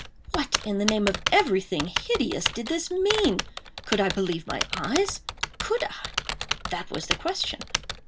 What, in the name of everything hideous, did this mean? Could I believe my eyes?—could I?—that was the question.